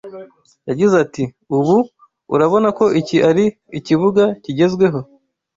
Yagize ati “Ubu urabona ko iki ari ikibuga kigezweho